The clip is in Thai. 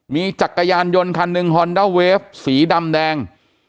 มีจักรยานยนต์คันหนึ่งฮอนด้าเวฟสีดำแดง